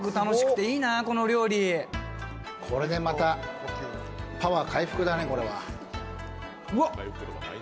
これでまたパワー回復だね。